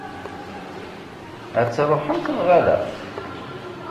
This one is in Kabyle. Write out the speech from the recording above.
Ad truḥemt, neɣ ala?